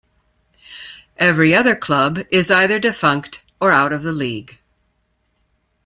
Every other club is either defunct or out of the League.